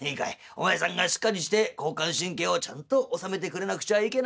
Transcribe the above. お前さんがしっかりして交感神経をちゃんと収めてくれなくちゃいけないよ」。